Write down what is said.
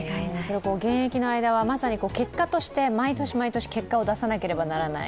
現役の間はまさに結果として、毎年毎年結果を出さなければならない。